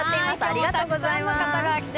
ありがとうございます。